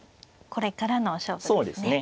これからの勝負ですね。